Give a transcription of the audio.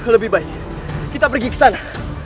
lebih baik kita pergi ke sana